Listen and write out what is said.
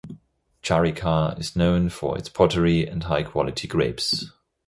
Charikar is known for its pottery and high-quality grapes.